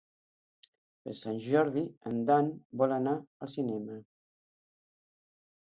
Per Sant Jordi en Dan vol anar al cinema.